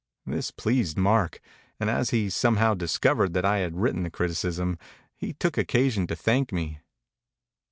This pleased Mark; and as he had some how discovered that I had written the criticism, he took occasion to thank me.